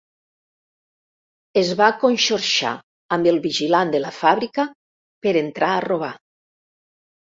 Es va conxorxar amb el vigilant de la fàbrica per entrar a robar.